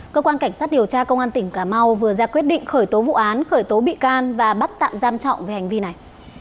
cơ quan cảnh sát điều tra công an tỉnh cà mau vừa ra quyết định khởi tố vụ án khởi tố bị can và bắt tạm giam trọng về hành vi này